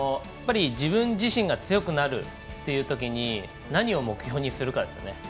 自分自身が強くなるというときに何を目標にするかですね。